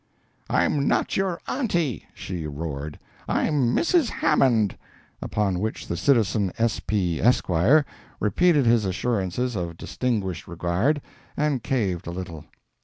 "I'm not your Aunty," she roared. "I'm Mrs. Hammond," upon which the citizen S. P., Esq., repeated his assurances of distinguished regard, and caved a little.